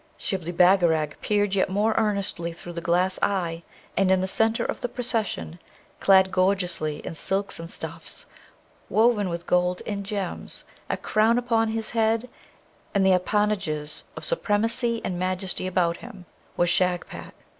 Shibli Bagarag peered yet more earnestly through the glass eye, and in the centre of the procession, clad gorgeously in silks and stuffs, woven with gold and gems, a crown upon his head, and the appanages of supremacy and majesty about him, was Shagpat.